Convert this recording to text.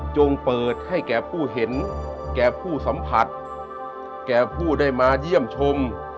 เปิดให้แก่ผู้เห็นแก่ผู้สัมผัสแก่ผู้ได้มาเยี่ยมชม